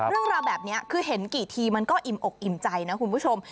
เรื่องราวแบบนี้คือเห็นกี่ทีมันก็อิ่มอกอิ่มใจนะคุณผู้ชม